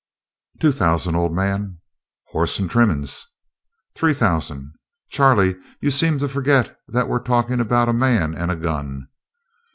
"Two thousand, old man." "Hoss and trimmin's." "Three thousand." "Charlie, you seem to forget that we're talkin' about a man and a gun."